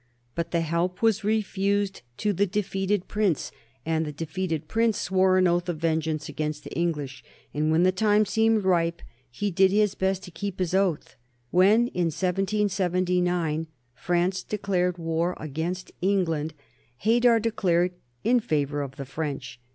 But the help was refused to the defeated prince, and the defeated prince swore an oath of vengeance against the English, and when the time seemed ripe he did his best to keep his oath. When in 1779 France declared war against England, Haidar declared in favor of the French.